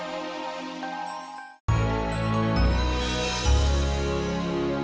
ya udah mpok